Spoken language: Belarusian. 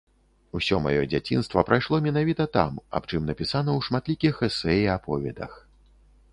Усё маё дзяцінства прайшло менавіта там, аб чым напісана ў шматлікіх эсэ і аповедах.